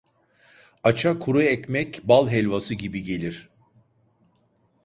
Aça kuru ekmek bal helvası gibi gelir.